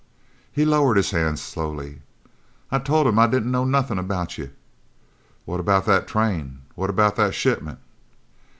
He lowered his hands slowly. "I told him I didn't know nothin' about you." "What about that train? What about that shipment?"